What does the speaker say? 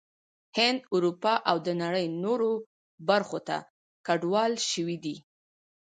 هند، اروپا او د نړۍ نورو برخو ته کډوال شوي دي